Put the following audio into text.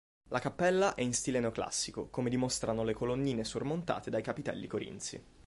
La cappella è in stile neoclassico, come dimostrano le colonnine sormontate dai capitelli corinzi.